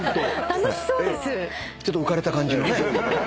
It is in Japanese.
ちょっと浮かれた感じのね。